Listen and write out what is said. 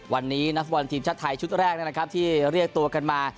วันนี้นักฟุตบอลทีมชาติไทยชุดแรกนะครับที่เรียกตัวกันมา